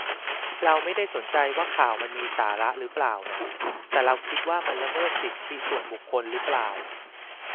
เราไม่ได้สนใจว่าข่าวมันมีสาระรึเปล่าน่ะ แต่เราคิดว่ามันละเมิดสิทธิส่วนบุคคลหรือเปล่า